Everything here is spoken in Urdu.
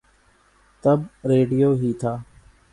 تب ریڈیو ہی تھا۔